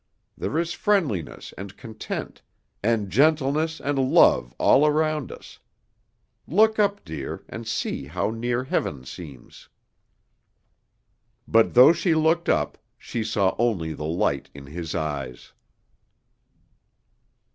There is friendliness and content and gentleness and love all around us; look up, dear, and see how near heaven seems." But though she looked up, she saw only the light in his eyes.